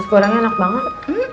sebelumnya enak banget